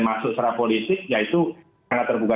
masuk secara politik ya itu tidak terbuka